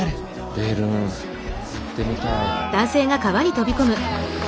ベルン行ってみたい。